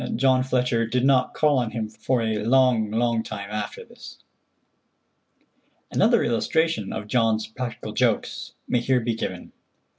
John Fletcher did not call on him for a long, long time after this. Another illustration of John's practical jokes may here be given.